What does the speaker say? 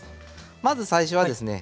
まず最初はですね